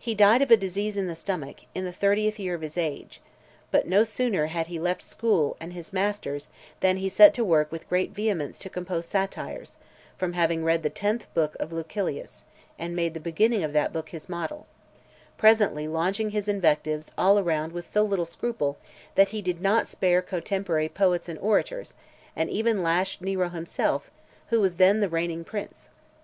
He died of a disease in the stomach, in the thirtieth year of his age . But no sooner had he left school and his masters, than he set to work with great vehemence to compose satires, from having read the tenth book of Lucilius; and made the beginning of that book his model; presently launching his invectives all around with so little scruple, that he did not spare cotemporary poets and orators, and even lashed Nero himself, who was then the reigning prince.